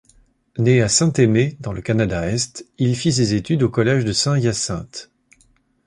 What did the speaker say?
Né à Saint-Aimé dans le Canada-Est, il fit ses études au Collège de Saint-Hyacinthe.